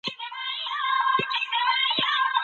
ملکیار هوتک د خپل عصر د ټولنیزو حالاتو تر اغېز لاندې و.